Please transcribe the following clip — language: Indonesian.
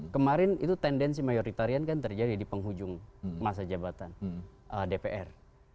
kemarin itu tendensi mayoritarian kan terjadi di penghujung masa jabatan dpr